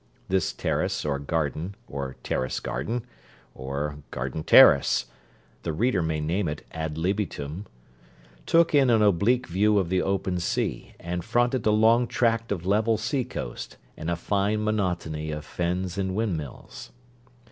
This terrace or garden, or terrace garden, or garden terrace (the reader may name it ad libitum), took in an oblique view of the open sea, and fronted a long tract of level sea coast, and a fine monotony of fens and windmills.